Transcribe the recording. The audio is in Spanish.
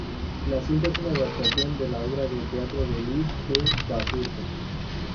La cinta es una adaptación de la obra de teatro de Luis G. Basurto.